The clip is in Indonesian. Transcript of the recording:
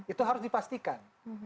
itu harus dipastikan